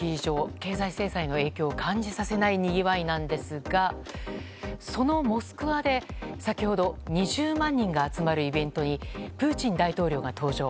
経済制裁の影響を感じさせないにぎわいなんですがそのモスクワで先ほど２０万人が集まるイベントにプーチン大統領が登場。